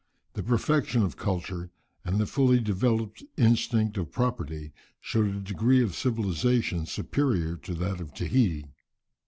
The perfection of culture, and the fully developed instinct of property, showed a degree of civilization superior to that of Tahiti.